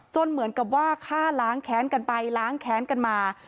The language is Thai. เหมือนกับว่าฆ่าล้างแค้นกันไปล้างแค้นกันมา